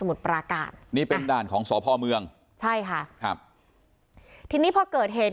มีกล้วยติดอยู่ใต้ท้องเดี๋ยวพี่ขอบคุณ